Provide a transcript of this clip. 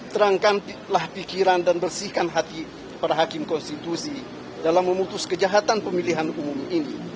terangkanlah pikiran dan bersihkan hati para hakim konstitusi dalam memutus kejahatan pemilihan umum ini